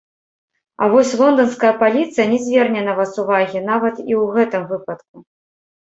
А вось лонданская паліцыя не зверне на вас увагі нават і ў гэтым выпадку.